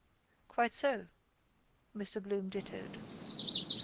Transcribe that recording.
—Quite so, Mr Bloom dittoed.